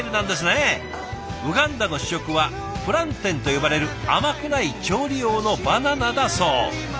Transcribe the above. ウガンダの主食はプランテンと呼ばれる甘くない調理用のバナナだそう。